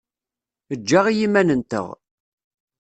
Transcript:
Ejj-aɣ i yiman-nteɣ.